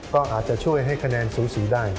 ก็อาจจะช่วยให้คะแนนสูสีได้